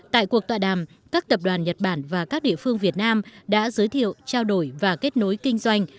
tại cuộc tọa đàm các tập đoàn nhật bản và các địa phương việt nam đã giới thiệu trao đổi và kết nối kinh doanh